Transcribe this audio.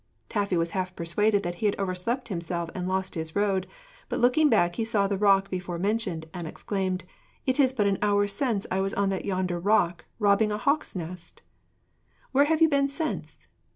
Taffy was half persuaded that he had overslept himself and lost his road, but looking back he saw the rock before mentioned, and exclaimed, 'It is but an hour since I was on yonder rock robbing a hawk's nest.' 'Where have you been since?'